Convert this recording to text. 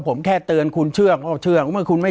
ปากกับภาคภูมิ